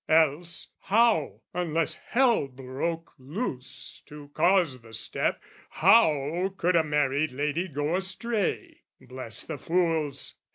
Else, How, unless hell broke loose to cause the step, How could a married lady go astray? Bless the fools!